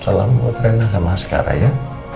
salam buat rena sama askaraya